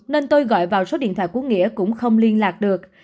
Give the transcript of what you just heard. nên tôi gọi vào số điện thoại của nghĩa cũng không liên lạc được